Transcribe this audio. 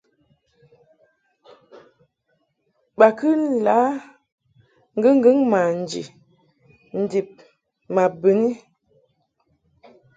Ba kɨ la ŋgɨŋgɨŋ manji ndib ma bɨni.